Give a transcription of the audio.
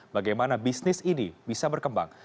bagaimana bisnis ini bisa berkembang